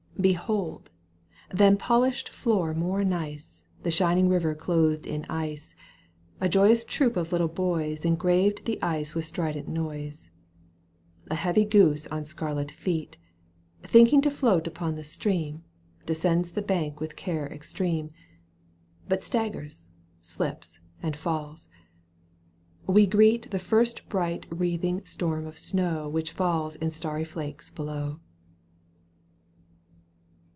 Behold ! than polished floor more nice The shining river clothed in ice ; A joyous troop of little boys Engrave the ice with strident noise; A heavy goose on scarlet feet, Thinking to float upon the stream. Descends the bank with care extreme, — But staggers, slips, and falls. We greet The first bright wreathing storm of snow Which falls in starry flakes below.